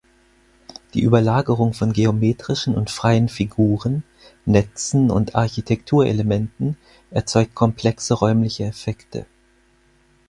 Die Überlagerung von geometrischen und freien Figuren, Netzen und Architekturelementen erzeugt komplexe räumliche Effekte.